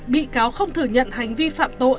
bị cáo không thừa nhận hành vi phạm tội